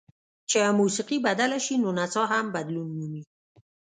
چې موسیقي بدله شي نو نڅا هم بدلون مومي.